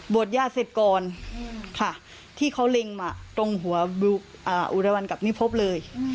บวชย่าเสร็จก่อนค่ะที่เขาเร็งมาตรงหัวอุลาวันกรรมนิพพเลย